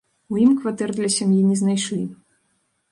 У ім кватэр для сям'і не знайшлі.